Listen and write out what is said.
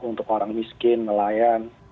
untuk orang miskin nelayan